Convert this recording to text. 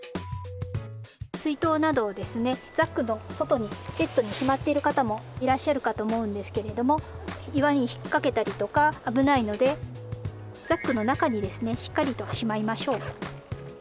水筒などですねザックの外にポケットにしまっている方もいらっしゃるかと思うんですけれども岩に引っ掛けたりとか危ないのでザックの中にですねしっかりとしまいましょう。